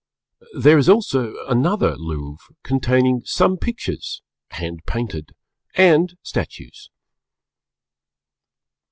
There is also another Louvre containing some pictures (hand painted) and statues.